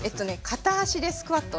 片足でスクワット。